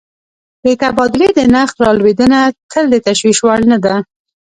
د تبادلې د نرخ رالوېدنه تل د تشویش وړ نه ده.